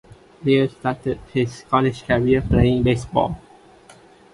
Lea started his college career playing baseball.